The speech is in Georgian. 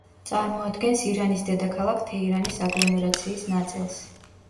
წარმოადგენს ირანის დედაქალაქ თეირანის აგლომერაციის ნაწილს.